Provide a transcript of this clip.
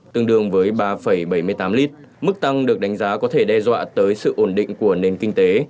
tương đương với ba bảy mươi tám lít mức tăng được đánh giá có thể đe dọa tới sự ổn định của nền kinh tế